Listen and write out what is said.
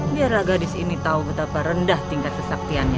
biarlah gadis ini tahu betapa rendah tingkat kesaktiannya